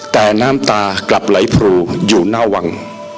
แต่น้ำตากลับไหลพรูอยู่หน้าวัง